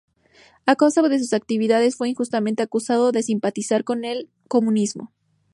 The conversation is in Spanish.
A causa de sus actividades fue injustamente acusado de simpatizar con el comunismo.